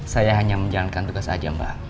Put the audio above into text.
saya hanya menjalankan tugas saja mbak